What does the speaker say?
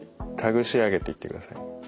ぐしあげていってください。